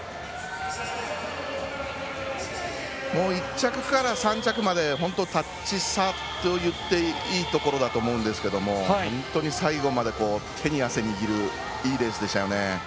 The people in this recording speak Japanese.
１着から３着までタッチ差といっていいところだと思うんですけど本当に最後まで手に汗握るいいレースでしたよね。